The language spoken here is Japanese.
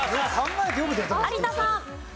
有田さん。